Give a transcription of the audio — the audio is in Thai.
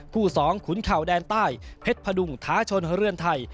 คู่สองขุนเข่าแดนใต้เพชรพะดุงท้าชนฮเรื่องไทย